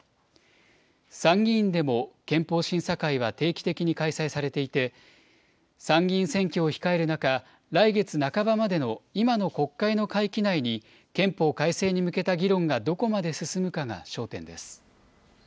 参議院でも憲法審査会は定期的に開催されていて、参議院選挙を控える中、来月半ばまでの今の国会の会期内に、憲法改正に向けた議論がどこまで進むかが焦点です。